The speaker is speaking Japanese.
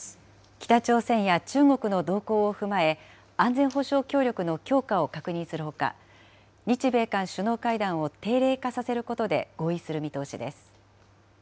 北朝鮮や中国の動向を踏まえ、安全保障協力の強化を確認するほか、日米韓首脳会談を定例化させることで合意する見通しです。